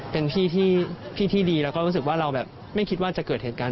เป็นพี่ที่ดีแล้วก็รู้สึกว่าเราแบบไม่คิดว่าจะเกิดเหตุการณ์